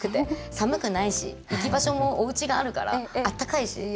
寒くないし、行き場所もおうちがあるから、あったかいし。